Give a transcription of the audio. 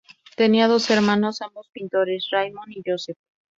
Tenía dos hermanos, ambos pintores, Raymond y Joseph.